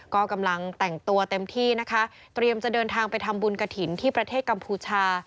ก็กำลังแต่งตัวเต็มที่นะคะเตรียมจะเดินทางไปทำบุญกระถิ่นที่ประเทศกัมพูชา